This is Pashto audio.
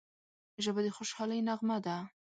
ژبه د خوشحالۍ نغمه ده